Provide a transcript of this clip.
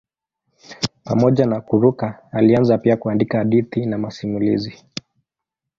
Pamoja na kuruka alianza pia kuandika hadithi na masimulizi.